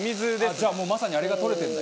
じゃあもうまさにあれが取れてるんだ。